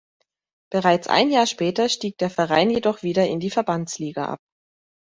Bereits ein Jahr später stieg der Verein jedoch wieder in die Verbandsliga ab.